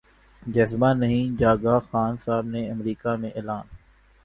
جذبہ نہیں جاگا خان صاحب نے امریکہ میں اعلان